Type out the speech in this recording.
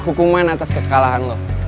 hukuman atas kekalahan lo